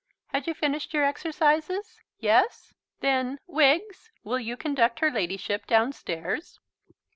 Had you finished your exercises? Yes? Then, Wiggs, will you conduct her ladyship downstairs?"